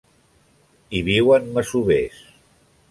Hi viuen masovers.